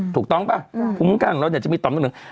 ถูกต้องป่ะภูมิกันของเราเนี่ยจะมีต่อมน้ำเหลือง